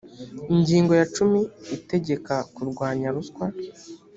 ingingo ya cumi itegeka kurwanya ruswa